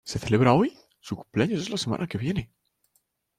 ¿ Se celebra hoy? ¡ su cumpleaños es la semana que viene!